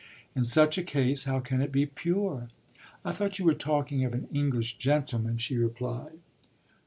"In such a case how can it be pure?" "I thought you were talking of an English gentleman," she replied.